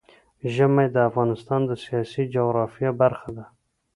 ژمی د افغانستان د سیاسي جغرافیه برخه ده.